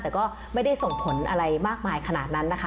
แต่ก็ไม่ได้ส่งผลอะไรมากมายขนาดนั้นนะคะ